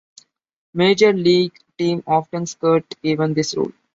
Major league teams often skirt even this rule.